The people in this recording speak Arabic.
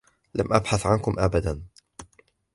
لم أبحث عنكم أبدا.